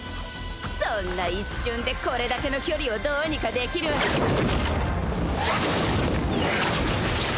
そんな一瞬でこれだけの距離をどうにかできるわけ